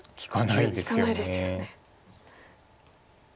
利かないですよね。